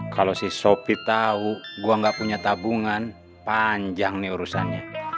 kalau si sopi tahu gue gak punya tabungan panjang nih urusannya